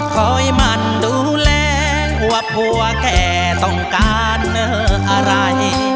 คอยมันดูแลว่าผัวแก่ต้องการอะไร